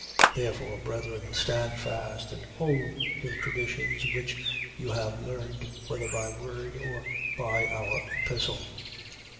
2:14. Therefore, brethren, stand fast: and hold the traditions, which you have learned, whether by word or by our epistle.